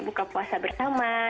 buka puasa bersama